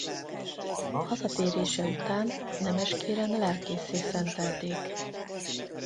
Hazatérése után Nemeskéren lelkésszé szentelték.